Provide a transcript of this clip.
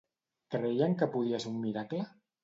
Creien que podia ser un miracle?